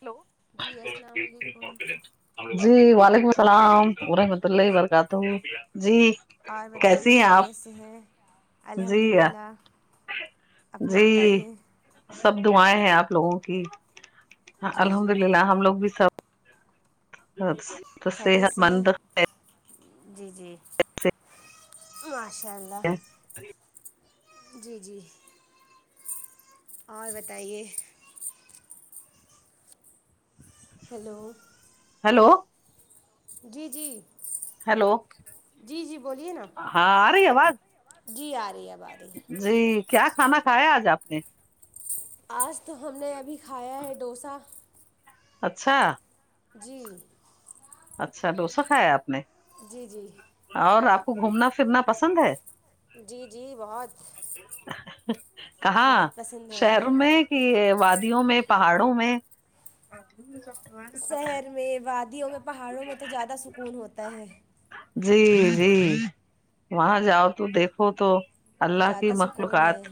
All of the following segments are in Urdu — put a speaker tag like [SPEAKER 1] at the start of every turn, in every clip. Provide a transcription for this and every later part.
[SPEAKER 1] ہیلو
[SPEAKER 2] جی السلام علیکم
[SPEAKER 1] جی وعلیکم السلام ورحمت اللہ و برکاتہ جی
[SPEAKER 2] اور بتائیے
[SPEAKER 1] کیسی ہیں آپ
[SPEAKER 2] خیریت سے ہیں
[SPEAKER 1] جی
[SPEAKER 2] الحمد للہ اپنا
[SPEAKER 1] جی
[SPEAKER 2] بتائیے
[SPEAKER 1] سب دعائیں ہیں آپ لوگوں کی
[SPEAKER 2] جی
[SPEAKER 1] الحمد
[SPEAKER 2] جی
[SPEAKER 1] للہ ہم لوگ بھی سب تو
[SPEAKER 2] خیریت
[SPEAKER 1] صحت
[SPEAKER 2] سے ہے
[SPEAKER 1] مند
[SPEAKER 2] جی جی ماشاء اللہ جی جی اور بتائیے ہیلو
[SPEAKER 1] ہیلو
[SPEAKER 2] جی جی
[SPEAKER 1] ہلو
[SPEAKER 2] جی جی بولیے نا ہاں آرہی اواز جی آ رہی ہے اب آ رہی ہے
[SPEAKER 1] جی کیا کھانا کھایا آج آپ نے
[SPEAKER 2] آج تو ہم نے ابھی کھایا ہے ڈوسا
[SPEAKER 1] اچھا
[SPEAKER 2] جی
[SPEAKER 1] اچھا ڈوسا کھایا ہے آپ نے
[SPEAKER 2] جی جی
[SPEAKER 1] اور آپ کو گھومنا پھرنا پسند ہے
[SPEAKER 2] جی جی بہت
[SPEAKER 1] کہاں
[SPEAKER 2] بہت پسند ہے
[SPEAKER 1] شہروں میں کہ وادیوں میں پہاڑوں میں
[SPEAKER 2] شہر میں وادیوں میں پہاڑوں میں تو زیادہ سکون ہوتا ہے
[SPEAKER 1] جی جی وہاں جاؤ تو دیکھو تو اللہ کی
[SPEAKER 2] زیادہ سکون ہے
[SPEAKER 1] مخلوقات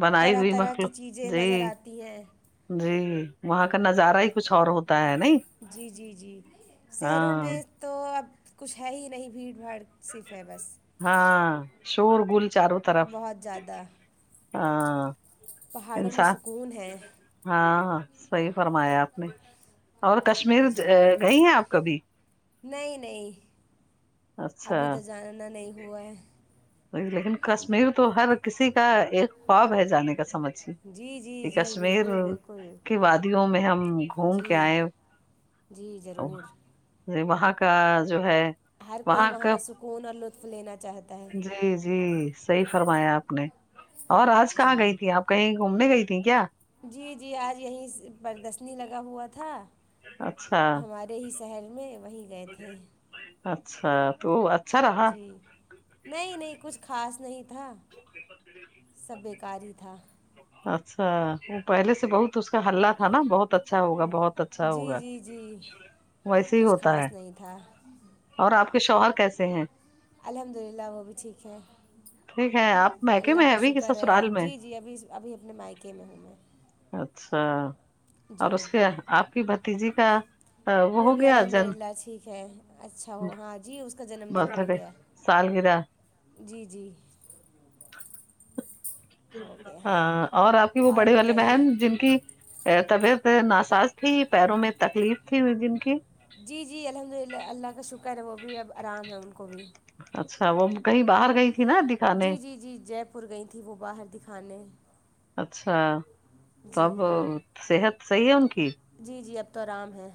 [SPEAKER 1] بنائی
[SPEAKER 2] طرح
[SPEAKER 1] ہوئی
[SPEAKER 2] طرح کی
[SPEAKER 1] مخلوق
[SPEAKER 2] چیزیں نظر
[SPEAKER 1] جی
[SPEAKER 2] آتی ہیں
[SPEAKER 1] جی وہاں کا نظارہ ہی کچھ اور ہوتا ہے نہیں
[SPEAKER 2] جی جی جی شہروں
[SPEAKER 1] ہاں
[SPEAKER 2] میں تو اب کچھ ہے ہی نہیں بھیڑ بھاڑ صرف ہے بس
[SPEAKER 1] ہاں شور گل چاروں طرف
[SPEAKER 2] بہت زیادہ
[SPEAKER 1] ہاں
[SPEAKER 2] پہاڑوں میں
[SPEAKER 1] انسان
[SPEAKER 2] سکون ہے
[SPEAKER 1] ہاں صحیح فرمایا آپ نے اور کشمیر
[SPEAKER 2] جی
[SPEAKER 1] گئی ہیں آپ کبھی
[SPEAKER 2] نہیں نہیں
[SPEAKER 1] اچھا
[SPEAKER 2] ابھی تو جانا نہیں ہوا ہے
[SPEAKER 1] لیکن کشمیر تو ہر کسی کا ایک خواب ہے جانے کا سمجھ
[SPEAKER 2] جی جی
[SPEAKER 1] کہ
[SPEAKER 2] جی
[SPEAKER 1] کشمیر
[SPEAKER 2] بالکل بالکل
[SPEAKER 1] کی وادیوں میں ہم گھوم کے
[SPEAKER 2] جی
[SPEAKER 1] آئے
[SPEAKER 2] جی ضرور
[SPEAKER 1] وہاں کا جو ہے
[SPEAKER 2] ہر کوئی وہاں کا سکون اور لطف لینا چاہتا ہے
[SPEAKER 1] جی جی صحیح فرمایا آپ نے اور آج کہاں
[SPEAKER 2] جی
[SPEAKER 1] گئی تھی آپ کہیں گھومنے گئی تھی کیا
[SPEAKER 2] جی جی آج یہیں پردشنی لگا ہوا تھا
[SPEAKER 1] اچھا
[SPEAKER 2] ہمارے ہی شہر میں وہیں گئے تھے
[SPEAKER 1] اچھا تو اچھا رہا
[SPEAKER 2] جی نہیں نہیں کچھ خاص نہیں تھا سب بیکار ہی تھا
[SPEAKER 1] اچھا وہ پہلے سے بہت اس کا ہلہ تھا نا بہت اچھا اچھا ہوگا بہت اچھا
[SPEAKER 2] جی
[SPEAKER 1] ہوگا
[SPEAKER 2] جی جی
[SPEAKER 1] ویسے ہی
[SPEAKER 2] کچھ
[SPEAKER 1] ہوتا ہے
[SPEAKER 2] خاص نہیں تھا
[SPEAKER 1] اور آپ کے شوہر کیسے ہیں
[SPEAKER 2] الحمد للہ وہ بھی ٹھیک ہے
[SPEAKER 1] ٹھیک ہے آپ میکے
[SPEAKER 2] اللہ
[SPEAKER 1] میں ہیں
[SPEAKER 2] کا
[SPEAKER 1] ابھی کہ
[SPEAKER 2] شکر ہے
[SPEAKER 1] سسرال میں
[SPEAKER 2] جی جی ابھی ابھی اپنے مائکے میں ہوں میں
[SPEAKER 1] اچھا اور
[SPEAKER 2] جی
[SPEAKER 1] اس کے آپ کی بھتیجی کا وہ ہو
[SPEAKER 2] بھی
[SPEAKER 1] گیا
[SPEAKER 2] الحمد
[SPEAKER 1] جنم
[SPEAKER 2] للہ ٹھیک ہے اچھا ہو ہاں جی اس کا جنم دن
[SPEAKER 1] برتھ
[SPEAKER 2] ہو
[SPEAKER 1] ڈے
[SPEAKER 2] گیا
[SPEAKER 1] سالگرہ
[SPEAKER 2] جی جی ہو گیا
[SPEAKER 1] ہاں اور آپ کی وہ
[SPEAKER 2] اور
[SPEAKER 1] بڑے والی
[SPEAKER 2] بتائیے
[SPEAKER 1] بہن جن کی طبیعت ناساز تھی پیروں میں تکلیف تھی جن کی
[SPEAKER 2] جی جی الحمد للہ اللہ کا شکر ہے وہ بھی اب آرام ہے ا ان کو بھی
[SPEAKER 1] اچھا وہ کہیں باہر گئی تھی نا
[SPEAKER 2] جی
[SPEAKER 1] دکھانے
[SPEAKER 2] جی جی جے پور گئی تھیں وہ باہر دکھانے
[SPEAKER 1] اچھا تو اب
[SPEAKER 2] جی
[SPEAKER 1] صحت صحیح ہے ان کی
[SPEAKER 2] جی جی اب تو آرام ہے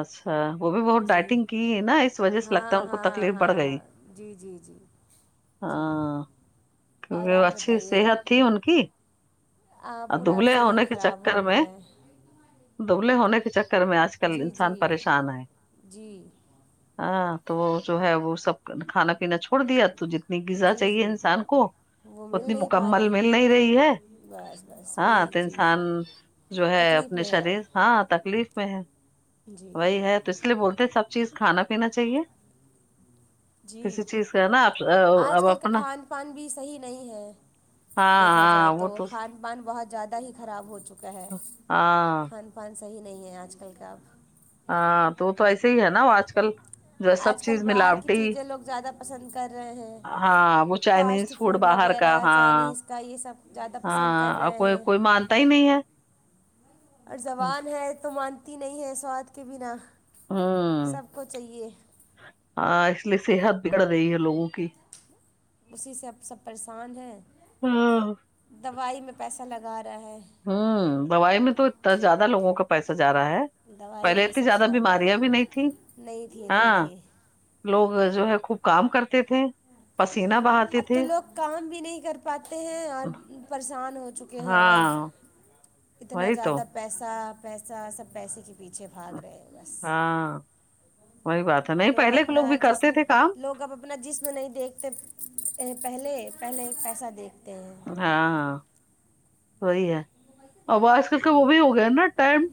[SPEAKER 1] اچھا وہ بھی بہت
[SPEAKER 2] جی
[SPEAKER 1] ڈائٹنگ کی نا اس وجہ سے لگتا
[SPEAKER 2] ہاں
[SPEAKER 1] ہے ان کو
[SPEAKER 2] ہاں
[SPEAKER 1] تکلیف بڑھ گئی
[SPEAKER 2] ہاں جی جی جی جی
[SPEAKER 1] ہاں
[SPEAKER 2] اور
[SPEAKER 1] کیونکہ
[SPEAKER 2] آپ
[SPEAKER 1] اچھی
[SPEAKER 2] بتائیے
[SPEAKER 1] صحت تھی ان کی
[SPEAKER 2] آ,
[SPEAKER 1] اور
[SPEAKER 2] پورا آپ
[SPEAKER 1] دبلے
[SPEAKER 2] شریر
[SPEAKER 1] ہونے کے
[SPEAKER 2] خراب ہو
[SPEAKER 1] چکر میں
[SPEAKER 2] گیا ہے
[SPEAKER 1] دبلے ہونے کے چکر میں آ کل
[SPEAKER 2] جی
[SPEAKER 1] انسان
[SPEAKER 2] جی
[SPEAKER 1] پریشان ہے
[SPEAKER 2] جی
[SPEAKER 1] ہاں تو وہ جو ہے وہ سب کھانا پینا چھوڑ دیا تو جنا غذا
[SPEAKER 2] جی
[SPEAKER 1] چاہیے
[SPEAKER 2] جی
[SPEAKER 1] انسان کو
[SPEAKER 2] وہ مل
[SPEAKER 1] اتنی
[SPEAKER 2] نہیں پا
[SPEAKER 1] مکمل
[SPEAKER 2] رہی
[SPEAKER 1] مل نہیں رہی ہے
[SPEAKER 2] بس بس
[SPEAKER 1] ہاں
[SPEAKER 2] وہی
[SPEAKER 1] تو
[SPEAKER 2] جی
[SPEAKER 1] انسان
[SPEAKER 2] جی
[SPEAKER 1] جو ہے
[SPEAKER 2] تکلیف
[SPEAKER 1] اپنے
[SPEAKER 2] میں ہے اب
[SPEAKER 1] شریر ہاں تکلیف میں ہے
[SPEAKER 2] جی
[SPEAKER 1] وہی ہے تو اس لیے بولتے سب چیز کھانا پینا چاہیے
[SPEAKER 2] جی
[SPEAKER 1] کسی چیز کا نا
[SPEAKER 2] آج
[SPEAKER 1] اب
[SPEAKER 2] کل کا
[SPEAKER 1] اپنا
[SPEAKER 2] کھان پان بھی صحیح نہیں ہے
[SPEAKER 1] ہاں
[SPEAKER 2] دیکہا جائے
[SPEAKER 1] ہاں وہ
[SPEAKER 2] تو خان پان بہت زیادہ ہی خراب ہو چکا ہے
[SPEAKER 1] ہاں
[SPEAKER 2] کھان پان صحیح نہیں ہے آج کل کا
[SPEAKER 1] ہاں تو تو ایسے ہی ہے نا آج کل جو سب
[SPEAKER 2] آج
[SPEAKER 1] چیز
[SPEAKER 2] کل باہر کی
[SPEAKER 1] ملاوٹی
[SPEAKER 2] چیزیں لوگ زیادہ پسند کر رہے ہیں
[SPEAKER 1] ہاں وہ چائنیز
[SPEAKER 2] فاسٹ
[SPEAKER 1] فوڈ باہر کا
[SPEAKER 2] وغیرہ
[SPEAKER 1] ہاں
[SPEAKER 2] چائنیز کا یہ سب زیادہ پسند
[SPEAKER 1] ہاں
[SPEAKER 2] کر
[SPEAKER 1] اور
[SPEAKER 2] رہے
[SPEAKER 1] کوئی
[SPEAKER 2] ہیں
[SPEAKER 1] کوئی مانتا ہی نہیں ہے
[SPEAKER 2] اور زبان ہے تو مانتی نہیں ہے سواد کے بنا
[SPEAKER 1] ہوں
[SPEAKER 2] سب کو چاہیے
[SPEAKER 1] ہاں اس لیے صحت بگڑ رہی ہے لوگوں کی
[SPEAKER 2] اسی سے اب سب پریشان ہیں
[SPEAKER 1] ہاں
[SPEAKER 2] دوائی میں پیسہ لگا رہا ہے
[SPEAKER 1] ہوں دوائی میں تو اتنا زیادہ لوگوں کا پیسہ جا رہا ہے
[SPEAKER 2] دوائی
[SPEAKER 1] پہلے
[SPEAKER 2] میں
[SPEAKER 1] اتنی
[SPEAKER 2] سب سے
[SPEAKER 1] زیادہ
[SPEAKER 2] ہے
[SPEAKER 1] بیماریاں بھی نہیں تھیں
[SPEAKER 2] نہیں تھی نہیں
[SPEAKER 1] ہاں
[SPEAKER 2] تھی
[SPEAKER 1] لوگ جو ہے خوب کام کرتے تھے پسینہ بہاتے
[SPEAKER 2] اب تو
[SPEAKER 1] تھے
[SPEAKER 2] لوگ کام بھی نہیں کر پاتے ہیں اور پریشان ہو چکے ہیں اور
[SPEAKER 1] ہاں
[SPEAKER 2] اتنا
[SPEAKER 1] وہی تو
[SPEAKER 2] زیادہ پیسہ پیسہ سب پیسے کی پیچھے بھاگ رہے ہیں بس
[SPEAKER 1] ہاں وہی بات ہے
[SPEAKER 2] اب
[SPEAKER 1] نہیں
[SPEAKER 2] لوگ
[SPEAKER 1] پہلے کے
[SPEAKER 2] اپنا
[SPEAKER 1] بھی کرتے
[SPEAKER 2] جسم
[SPEAKER 1] تھے کام
[SPEAKER 2] لوگ اب اپنا جسم نہیں دیکھتے پہلے پہلے پیسہ دیکھتے ہیں
[SPEAKER 1] ہاں وہی ہے آواز کر کے وہ بھی ہو گیا نا ٹائم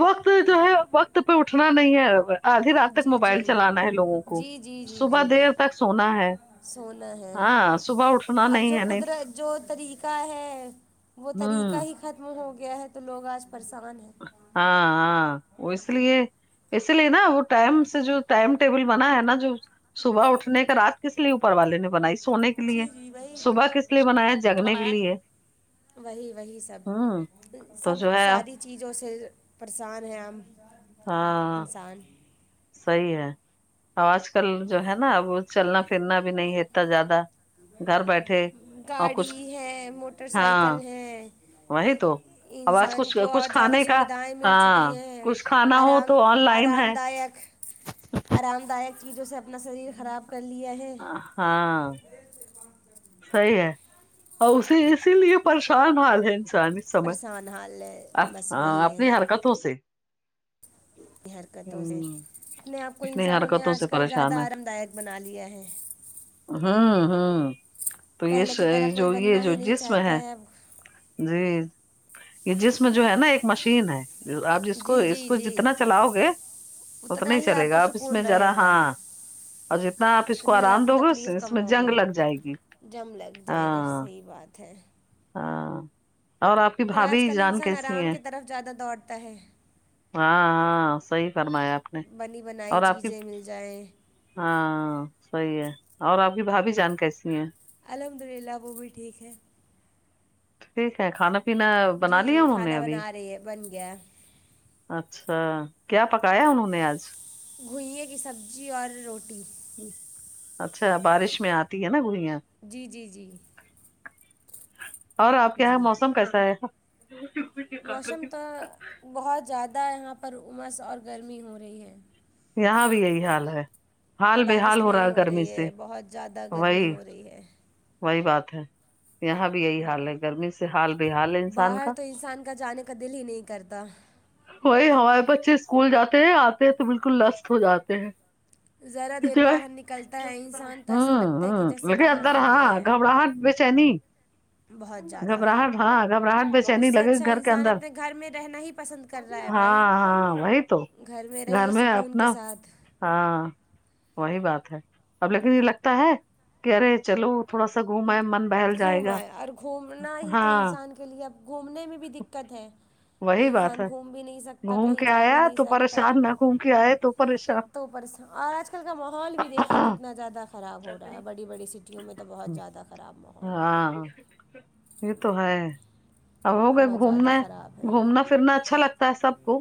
[SPEAKER 1] وقت جو ہے وقت پہ اٹھنا نہیں ہے اب آدھی رات تک
[SPEAKER 2] جی
[SPEAKER 1] موبائل
[SPEAKER 2] جی
[SPEAKER 1] چلانا ہے لوگوں کو
[SPEAKER 2] جی جی جی
[SPEAKER 1] صبح
[SPEAKER 2] جی
[SPEAKER 1] دیر تک سونا ہے
[SPEAKER 2] سونا ہے
[SPEAKER 1] ہاں صبح اٹھنا
[SPEAKER 2] اب جو
[SPEAKER 1] نہیں ہے نہیں
[SPEAKER 2] قدرت جو طریقہ ہے وہ
[SPEAKER 1] ہوں
[SPEAKER 2] طریقہ ہی ختم ہو گیا ہے تو لوگ آج پریشان ہیں
[SPEAKER 1] ہاں ہاں وہ اس لیے اسی لیے نا وہ ٹائم سے جو ٹائم ٹیبل بنا ہے نا جو صبح اٹھنے کا رات کس لیے اوپر والے نے بنائی سونے کے لیے
[SPEAKER 2] جی جی وہی
[SPEAKER 1] صبح کس لیے بنایا جگنے کے لیے
[SPEAKER 2] وہی وہی سب
[SPEAKER 1] ہوں تو
[SPEAKER 2] سب
[SPEAKER 1] جو ہے
[SPEAKER 2] ساری چیزوں سے پریشان ہیں ہم
[SPEAKER 1] ہاں
[SPEAKER 2] انسان
[SPEAKER 1] صحیح ہے آج کل جو ہے نا اب چلنا پھرنا بھی نہیں ہےتا زیادہ گھر بیٹھے اور
[SPEAKER 2] گاڑی
[SPEAKER 1] کچھ
[SPEAKER 2] ہے موٹر سائیکل
[SPEAKER 1] ہاں
[SPEAKER 2] ہے
[SPEAKER 1] وہی تو آواز
[SPEAKER 2] انسان
[SPEAKER 1] کچھ
[SPEAKER 2] کو
[SPEAKER 1] کچھ
[SPEAKER 2] اور زیادہ
[SPEAKER 1] کھانے کا
[SPEAKER 2] سویدھائیں مل چکی
[SPEAKER 1] ہاں
[SPEAKER 2] ہیں
[SPEAKER 1] کچھ کھانا ہو
[SPEAKER 2] آرام
[SPEAKER 1] تو آن لائن ہے
[SPEAKER 2] آرام دائیک آرام دائک چیزوں سے اپنا شریر خراب کر لیا ہے
[SPEAKER 1] ہاں صحیح ہے اور اسے اسی لیے پریشان حال ہے پریشان ہے اس سمے
[SPEAKER 2] پریشان حال ہے بس وہی
[SPEAKER 1] اپنی حرکتوں سے
[SPEAKER 2] اپنی حرکتوں سے
[SPEAKER 1] ہوں
[SPEAKER 2] اپنے آپ کو
[SPEAKER 1] اپنی
[SPEAKER 2] انسانوں نے
[SPEAKER 1] حرکتوں
[SPEAKER 2] آج
[SPEAKER 1] سے
[SPEAKER 2] کل زیادہ
[SPEAKER 1] پریشان ہے
[SPEAKER 2] آرام دائک بنا لیا ہے
[SPEAKER 1] ہوں ہوں تو یہ
[SPEAKER 2] پہلے کی طرح کوئی
[SPEAKER 1] جو یہ
[SPEAKER 2] بننا
[SPEAKER 1] جو
[SPEAKER 2] ہی نہیں
[SPEAKER 1] جسم
[SPEAKER 2] چاہتا
[SPEAKER 1] ہے
[SPEAKER 2] اب
[SPEAKER 1] جی یہ جسم جو ہے نا ایک مشین ہے آپ جس کو
[SPEAKER 2] جی
[SPEAKER 1] اس
[SPEAKER 2] جی
[SPEAKER 1] کو
[SPEAKER 2] جی
[SPEAKER 1] جتنا چلاؤ گے اتنا ہی چلے
[SPEAKER 2] آپ
[SPEAKER 1] گا
[SPEAKER 2] کو
[SPEAKER 1] آفس میں
[SPEAKER 2] سکون
[SPEAKER 1] ذرا
[SPEAKER 2] رہے گا
[SPEAKER 1] ہاں اور جتنا آپ اس کو
[SPEAKER 2] اتنی ہی
[SPEAKER 1] آرام
[SPEAKER 2] آپ
[SPEAKER 1] دو گے
[SPEAKER 2] تکلیف
[SPEAKER 1] اس
[SPEAKER 2] کم
[SPEAKER 1] میں جنگ
[SPEAKER 2] ہوگی
[SPEAKER 1] لگ جائے گی
[SPEAKER 2] جم لگ جائے گا
[SPEAKER 1] ہاں
[SPEAKER 2] صحیح بات ہے
[SPEAKER 1] ہاں اور آپ کی
[SPEAKER 2] پر آج
[SPEAKER 1] بھابھی
[SPEAKER 2] کل
[SPEAKER 1] جان
[SPEAKER 2] انسان
[SPEAKER 1] کیسی
[SPEAKER 2] آرام
[SPEAKER 1] ہے
[SPEAKER 2] کی طرف زیادہ دوڑتا ہے
[SPEAKER 1] ہاں ہاں صحیح فرمایا آپ نے
[SPEAKER 2] بنی بنائی
[SPEAKER 1] اور آپ کی
[SPEAKER 2] چیزیں مل جائیں
[SPEAKER 1] ہاں صحیح ہے اور آپ کی بھا بھی جان کیسی ہے
[SPEAKER 2] الحمد للہ وہ بھی ٹھیک ہے
[SPEAKER 1] ٹھیک ہے کھانا پینا بنا
[SPEAKER 2] جی
[SPEAKER 1] لیا
[SPEAKER 2] جی
[SPEAKER 1] انہوں نے
[SPEAKER 2] کھانا
[SPEAKER 1] ابھی
[SPEAKER 2] بنا رہی ہے بن گیا ہے
[SPEAKER 1] اچھا کیا پکایا انہوں نے آج
[SPEAKER 2] گھوئییں کی سبزی اور روٹی
[SPEAKER 1] اچھا بارش میں آتی ہے نا گھویاں
[SPEAKER 2] جی جی جی
[SPEAKER 1] اور آپ کے یہاں
[SPEAKER 2] جی
[SPEAKER 1] موسم کیسا ہے
[SPEAKER 2] موسم تو بہت زیادہ یہاں پر عمس اور گرمی ہو رہی ہے
[SPEAKER 1] یہاں بھی یہی حال ہے حال بےحال
[SPEAKER 2] بارش
[SPEAKER 1] ہو رہا
[SPEAKER 2] نہیں
[SPEAKER 1] ہے گرمی
[SPEAKER 2] رہی
[SPEAKER 1] سے
[SPEAKER 2] ہے بہت زیادہ
[SPEAKER 1] وہی
[SPEAKER 2] گرمی ہو رہی ہے
[SPEAKER 1] وہی بات ہے یہاں بھی یہی حال ہے گرمی سے حال بے حال ہے انسان کا
[SPEAKER 2] باہر تو انسان کا جانب کا دل ہی نہیں کرتا
[SPEAKER 1] وہی ہمارے بچے اسکول جاتے ہیں آتے ہیں تو بالکل لشٹ ہو جاتے ہیں
[SPEAKER 2] ذرا دیر
[SPEAKER 1] [unintelligible]
[SPEAKER 2] باہر نکلتا ہے
[SPEAKER 1] چنی
[SPEAKER 2] انسان تو ایسا لگتا ہے کہ جیسے کہاں
[SPEAKER 1] گھبراہٹ
[SPEAKER 2] آ گیا ہے بہت زیادہ
[SPEAKER 1] ہاں گھبراہٹ میں چنی
[SPEAKER 2] اس سے
[SPEAKER 1] لگے گی
[SPEAKER 2] اچھا
[SPEAKER 1] گھر کے
[SPEAKER 2] انسان
[SPEAKER 1] اندر
[SPEAKER 2] اپنے گھر میں رہنا ہی پسند کر رہا ہے بھائی
[SPEAKER 1] ہاں ہاں وہی تو
[SPEAKER 2] گھر میں رہیے سکون کے ساتھ
[SPEAKER 1] ہاں وہی بات ہے اب لیکن یہ لگتا ہے کہ ارے چلو تھوڑا سا گھوم آئے من بہل جائے
[SPEAKER 2] گھوم
[SPEAKER 1] گا
[SPEAKER 2] آئے اور گھومنا ہی تو
[SPEAKER 1] ہاں
[SPEAKER 2] انسان کے لیے اب گھومنے میں بھی دقت ہے
[SPEAKER 1] وہی بات
[SPEAKER 2] انسان
[SPEAKER 1] ہے
[SPEAKER 2] گھوم بھی نہیں سکتا
[SPEAKER 1] گھوم
[SPEAKER 2] کہیں
[SPEAKER 1] کے
[SPEAKER 2] جا بھی
[SPEAKER 1] آیا
[SPEAKER 2] نہیں
[SPEAKER 1] تو
[SPEAKER 2] سکتا
[SPEAKER 1] پریشان نہ گھوم کے آئے تو پریشان
[SPEAKER 2] تو اوپرس اور آج کل کا ماحول بھی دیکھیے کتنا زیادہ خراب ہو رہا ہے بڑی بڑی سٹی ٹیوں میں تو بہت زیادہ خراب ماحول ہے
[SPEAKER 1] ہاں یہ تو ہے اب ہو گئے
[SPEAKER 2] بہت زیادہ
[SPEAKER 1] گھومنا
[SPEAKER 2] خراب ہے
[SPEAKER 1] گھومنا پھرنا اچھا لگتا ہوتا سب کو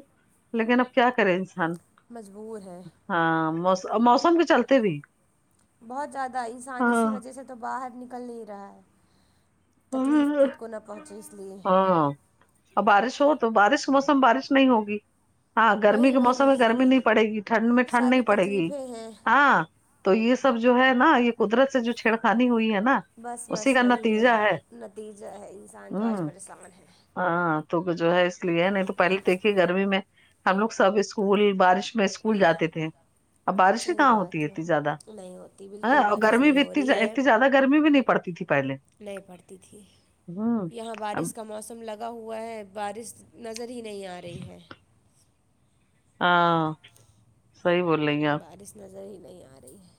[SPEAKER 1] لیکن اب کیا کرے انسان
[SPEAKER 2] مجبور ہے
[SPEAKER 1] ہاں مو موسم کے چلتے بھی
[SPEAKER 2] بہت زیادہ انسان
[SPEAKER 1] ہاں
[SPEAKER 2] اسی وجہ سے تو باہر نکل نہیں رہا ہے تکلیف خود کو نہ پہنچے اس لیے
[SPEAKER 1] ہاں اور بارش ہو تو بارش کا موسم بارش نہیں ہوگی ہاں گرمی
[SPEAKER 2] وہی
[SPEAKER 1] کے موسم
[SPEAKER 2] وہی
[SPEAKER 1] میں گرمی نہیں پڑے گی ٹھنڈ میں ٹھنڈ
[SPEAKER 2] ساری
[SPEAKER 1] نہیں پڑے گی
[SPEAKER 2] تکلیفیں ہیں
[SPEAKER 1] ہاں تو یہ سب جو ہے نا یہ قدرت سے جو چھیڑخانی ہوئی ہے نا
[SPEAKER 2] بس
[SPEAKER 1] اسی
[SPEAKER 2] بس
[SPEAKER 1] کا
[SPEAKER 2] وہی
[SPEAKER 1] نتیجہ ہے
[SPEAKER 2] نتیجہ ہے انسان جو آج
[SPEAKER 1] ہوں
[SPEAKER 2] پریشان ہے
[SPEAKER 1] ہاں تو جو ہے اس لیے نہیں تو پہلے دیکھیے گرمی میں ہم لوگ سب اسکول بارش میں اسکول جاتے تھے اب بارش ہی
[SPEAKER 2] صحیح
[SPEAKER 1] کہاں ہوتی ہے
[SPEAKER 2] بات
[SPEAKER 1] اتنی زیادہ
[SPEAKER 2] نہیں ہوتی
[SPEAKER 1] ہ
[SPEAKER 2] بالکل
[SPEAKER 1] اور
[SPEAKER 2] بارش
[SPEAKER 1] گرمی
[SPEAKER 2] نہیں
[SPEAKER 1] بھی
[SPEAKER 2] ہو
[SPEAKER 1] ات
[SPEAKER 2] رہی ہے
[SPEAKER 1] اتنی زیادہ گرمی بھی نہیں پڑتی تھی پہلے
[SPEAKER 2] نہیں پڑتی تھی
[SPEAKER 1] ہاں
[SPEAKER 2] یہاں بارش کا موسم لگا ہوا ہے بارش نظر ہی نہیں آ رہی ہے
[SPEAKER 1] ہاں صحیح بول رہی ہیں آپ
[SPEAKER 2] بارش نظر ہی نہیں آ رہی ہے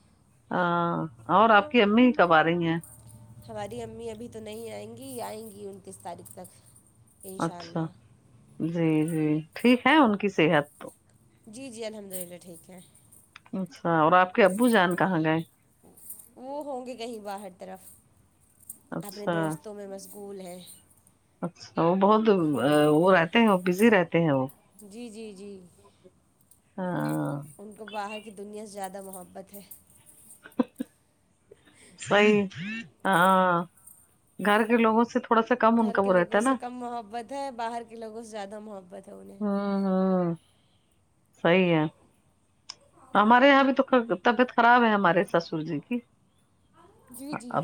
[SPEAKER 1] ہاں اور آپ کی امی ہی کب آ رہی ہیں
[SPEAKER 2] ہماری امی ابھی تو نہیں آئیں گی آئیں گی انتیس تاریخ تک ان شاء
[SPEAKER 1] اچھا
[SPEAKER 2] اللہ
[SPEAKER 1] جی جی ٹھیک ہے ان کی صحت تو
[SPEAKER 2] جی جی الحمد للہ ٹھیک ہے
[SPEAKER 1] اچھا اور آپ کے ابو جان کہاں گئے
[SPEAKER 2] وہ ہوں گے کہیں باہر طرف اپنے
[SPEAKER 1] اچھا
[SPEAKER 2] دوستوں میں مشغول ہے
[SPEAKER 1] اچھا وہ بہت وہ رہتے ہیں بزی رہتے ہیں وہ
[SPEAKER 2] جی جی جی
[SPEAKER 1] ہاں
[SPEAKER 2] ان کو باہر کی دنیا سے زیادہ محبت ہے
[SPEAKER 1] صحیح ہاں گھر کے لوگوں سے تھوڑا سا کم ان
[SPEAKER 2] گھر
[SPEAKER 1] کا
[SPEAKER 2] کے
[SPEAKER 1] وہ رہتا
[SPEAKER 2] لوگوں
[SPEAKER 1] ہے
[SPEAKER 2] سے
[SPEAKER 1] نا
[SPEAKER 2] کم محبت ہے باہر کے لوگوں سے زیادہ محبت ہے انہیں
[SPEAKER 1] ہوں ہوں صحیح ہے ہمارے یہاں بھی تو طبیعت خراب ہے ہمارے ساسور جی کی
[SPEAKER 2] جی جی
[SPEAKER 1] اب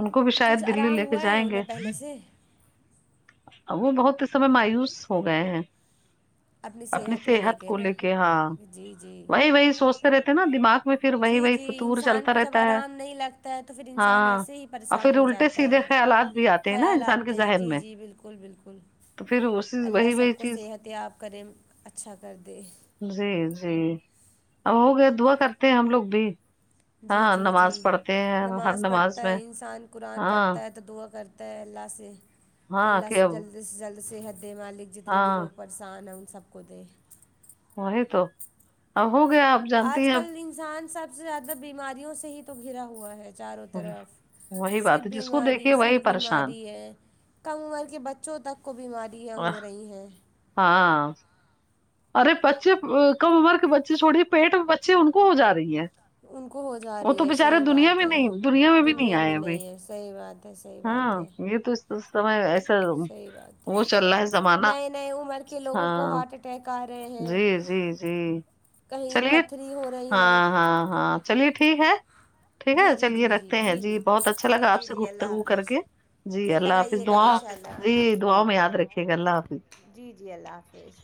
[SPEAKER 1] ان کو بھی
[SPEAKER 2] کچھ
[SPEAKER 1] شاید دلی
[SPEAKER 2] آرام
[SPEAKER 1] لے کے
[SPEAKER 2] ہوا ہے
[SPEAKER 1] جائیں گے
[SPEAKER 2] انہیں پہلے سے
[SPEAKER 1] وہ بہت اس سمے مایوس ہو گئے ہیں اپنی صحت کو لے کے ہاں
[SPEAKER 2] جی جی
[SPEAKER 1] وہی وہی سوچتے رہتے ہیں نا دماغ میں پھر
[SPEAKER 2] جی
[SPEAKER 1] وہی وہی
[SPEAKER 2] جی
[SPEAKER 1] فتور
[SPEAKER 2] انسان
[SPEAKER 1] چلتا
[SPEAKER 2] کو جب
[SPEAKER 1] رہتا ہے
[SPEAKER 2] آرام نہیں لگتا ہے تو پھر انسان
[SPEAKER 1] ہاں
[SPEAKER 2] ایسے ہی
[SPEAKER 1] اور
[SPEAKER 2] پریشان
[SPEAKER 1] پھر
[SPEAKER 2] ہو
[SPEAKER 1] الٹے
[SPEAKER 2] جاتا
[SPEAKER 1] سیدھے
[SPEAKER 2] ہے
[SPEAKER 1] خیالات بھی آتے ہیں نا
[SPEAKER 2] خیال
[SPEAKER 1] انسان کے
[SPEAKER 2] اتے ہیں
[SPEAKER 1] ذہن
[SPEAKER 2] جی
[SPEAKER 1] میں
[SPEAKER 2] جی بالکل بالکل
[SPEAKER 1] تو پھر اس
[SPEAKER 2] اللہ سب کو صحت یاب کرے اچھا کر دے
[SPEAKER 1] جی جی ہو گیا دعا کرتے ہیں ہم لوگ بھی
[SPEAKER 2] جی
[SPEAKER 1] ہاں
[SPEAKER 2] جی جی
[SPEAKER 1] نماز پڑھتے ہیں ہر
[SPEAKER 2] نماز پڑھتا
[SPEAKER 1] میں
[SPEAKER 2] ہے انسان قرآن
[SPEAKER 1] ہاں
[SPEAKER 2] پڑھتا ہے تو دعا کرتا اللہ سے کہ
[SPEAKER 1] ہاں
[SPEAKER 2] اللہ سے
[SPEAKER 1] اب
[SPEAKER 2] جلد سے جلد صحت دے مالک جتنے بھی
[SPEAKER 1] ہاں
[SPEAKER 2] لوگ پڑ انسان ہیں سب کودے
[SPEAKER 1] وہی تو اب ہو گیا آپ جانتی
[SPEAKER 2] آج
[SPEAKER 1] ہیں
[SPEAKER 2] کل
[SPEAKER 1] اب
[SPEAKER 2] انسان سب سے زیادہ بیماریوں سے ہی تو گھرا ہوا ہے چاروں طرف
[SPEAKER 1] وہی
[SPEAKER 2] صرف
[SPEAKER 1] بات ہے جس کو
[SPEAKER 2] بیماری
[SPEAKER 1] دیکھیے وہی
[SPEAKER 2] صرف
[SPEAKER 1] پریشان
[SPEAKER 2] بیماری ہے کم عمر کے بچوں تک کو بیماریاں ہو رہی ہیں
[SPEAKER 1] ہاں ارے بچے کم عمر کے بچے چھوڑی ہے پیٹ میں بچے ان کو ہو جا رہی ہے
[SPEAKER 2] ان کو ہو جا
[SPEAKER 1] وہ
[SPEAKER 2] رہی
[SPEAKER 1] تو
[SPEAKER 2] ہے
[SPEAKER 1] بچارے
[SPEAKER 2] صحیح
[SPEAKER 1] دنیا
[SPEAKER 2] بات
[SPEAKER 1] میں
[SPEAKER 2] ہے
[SPEAKER 1] نہیں میں بھی
[SPEAKER 2] دنیا میں
[SPEAKER 1] آئے ابھی
[SPEAKER 2] نہیں ہے صحیح بات ہے صحیح بات
[SPEAKER 1] ہاں
[SPEAKER 2] ہے
[SPEAKER 1] یہ تو اس سمے ایسا
[SPEAKER 2] صحیح بات
[SPEAKER 1] وہ چل رہا ہے زمانہ ہاں
[SPEAKER 2] تک آرہے ہے
[SPEAKER 1] جی جی جی چلیے
[SPEAKER 2] پتھری ہو رہی ہے
[SPEAKER 1] ہاں ہاں ہاں چلیے ٹھیک ہے ٹھیک ہے
[SPEAKER 2] جی جی
[SPEAKER 1] چلیے
[SPEAKER 2] جی
[SPEAKER 1] رکھتے ہیں جی بہت اچھا
[SPEAKER 2] جی
[SPEAKER 1] لگا آپ
[SPEAKER 2] جی
[SPEAKER 1] سے
[SPEAKER 2] جی اللہ
[SPEAKER 1] گفتگو کر
[SPEAKER 2] حافظ
[SPEAKER 1] کے جی
[SPEAKER 2] پھر
[SPEAKER 1] اللہ حافظ
[SPEAKER 2] لگائیے گا
[SPEAKER 1] دعاؤں
[SPEAKER 2] ان شاء
[SPEAKER 1] جی
[SPEAKER 2] اللہ
[SPEAKER 1] دعاؤں میں یاد رکھیے گا اللہ حافظ
[SPEAKER 2] جی جی اللہ حافظ